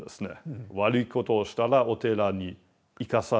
悪いことをしたらお寺に行かされる。